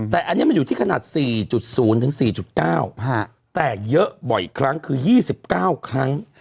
แต่อันนี้มันอยู่ที่ขนาด๔๐๔๙แต่เยอะบ่อยครั้งคือ๒๙ครั้ง